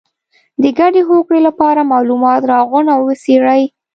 د ګډې هوکړې لپاره معلومات راغونډ او وڅېړئ.